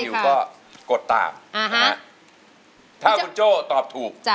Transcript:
แล้วคุณคิวก็กดตามถ้าคุณโจ้ตอบถูก